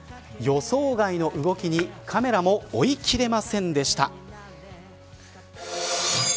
予想外の動きにカメラも追い切れませんでした。